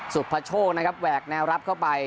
สุภโชคนะครับแหวกแนวรับเข้าไป